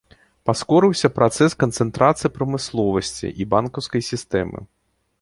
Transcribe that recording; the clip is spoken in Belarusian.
Паскорыўся працэс канцэнтрацыі прамысловасці і банкаўскай сістэмы.